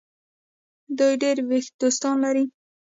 دوی ډیر دوستان لري.